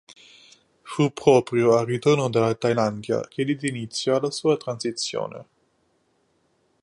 Fu proprio al ritorno dalla Thailandia che diede inizio alla sua transizione.